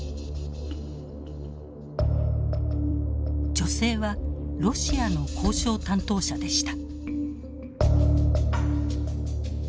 女性はロシアの交渉担当者でした。